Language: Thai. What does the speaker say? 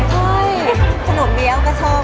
ใช่สนมเว้ยก็ชอบ